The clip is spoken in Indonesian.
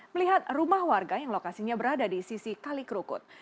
melihat rumah warga yang lokasinya berada di sisi kali kerukut